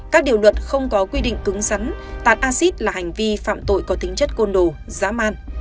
các điều luật không có quy định cứng rắn tạt acid là hành vi phạm tội có tính chất côn đồ dã man